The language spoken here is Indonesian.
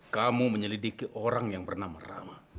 kamu menyelidiki orang yang bernama rama